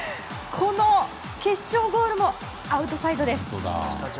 この決勝ゴールもアウトサイドです。